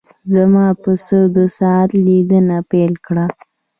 زما پسه د ساعت لیدنه پیل کړه.